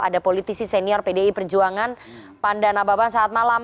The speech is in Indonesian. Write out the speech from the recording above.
ada politisi senior pdi perjuangan pandana baban saat malam